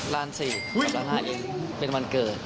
ร้านสี่ร้านหาอิงเป็นวันเกิด